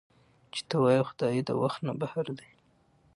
چې تۀ وائې خدائے د وخت نه بهر دے